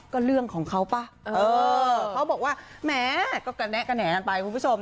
ก็เรื่องของเขาป่ะเขาบอกว่าแหมก็แกะแหน่งไปคุณผู้ชม